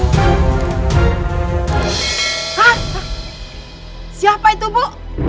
ha siapa itu bu